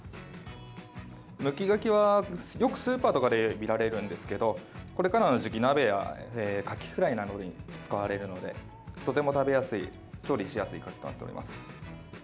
むきガキは、よくスーパーなどで見られるんですけどこれからの時期は、鍋やカキフライなどに使われるのでとても食べやすい調理しやすいカキとなっております。